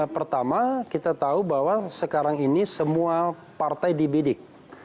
pertama kita tahu bahwa sekarang ini semua partai dibidik